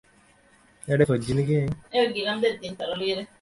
সুরমা ও উদয়াদিত্য একসঙ্গে জিজ্ঞাসা করিয়া উঠিলেন, কেন, কী হইয়াছে?